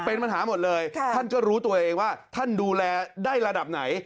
เป็นปัญหาหมดเลยท่านก็รู้ตัวเองว่าท่านดูแลได้ระดับไหน